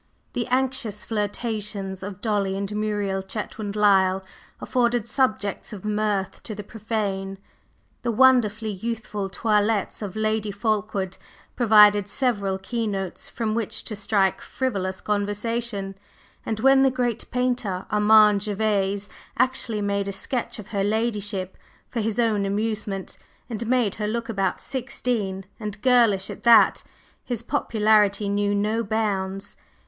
The anxious flirtations of Dolly and Muriel Chetwynd Lyle afforded subjects of mirth to the profane, the wonderfully youthful toilettes of Lady Fulkeward provided several keynotes from which to strike frivolous conversation, and when the great painter, Armand Gervase, actually made a sketch of her ladyship for his own amusement, and made her look about sixteen, and girlish at that, his popularity knew no bounds.